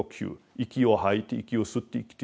息を吐いて息を吸って生きている。